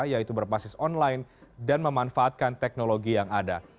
yaitu berbasis online dan memanfaatkan teknologi yang ada